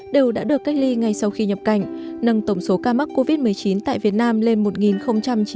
đều đã được cách ly ngay sau khi nhập cảnh nâng tổng số ca mắc covid một mươi chín tại việt nam lên một chín mươi chín ca